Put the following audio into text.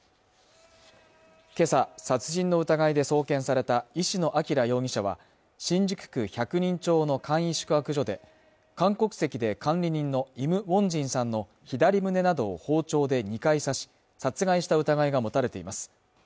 今朝殺人の疑いで送検された石野彰容疑者は新宿区百人町の簡易宿泊所で韓国籍で管理人のイム・ウォンジンさんの左胸などを包丁で２回刺し殺害した疑いが持たれています